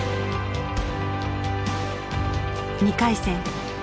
２回戦。